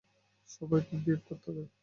সবাইকে ব্রিফ করতে হবে।